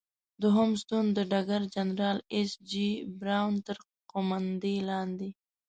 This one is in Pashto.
دوهم ستون د ډګر جنرال ایس جې براون تر قوماندې لاندې.